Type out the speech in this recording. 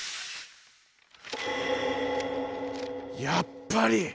やっぱり！